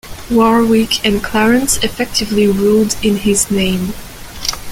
Warwick and Clarence effectively ruled in his name.